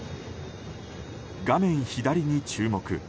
画面左に注目。